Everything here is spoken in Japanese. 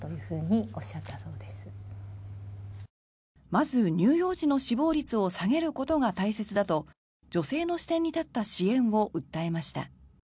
まず乳幼児の死亡率を下げることが大切だと女性の視点に立った支援を訴えました。